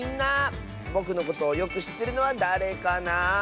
ぼくのことをよくしってるのはだれかなあ。